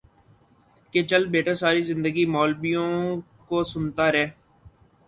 کہ چل بیٹا ساری زندگی مولبیوں کو سنتا رہ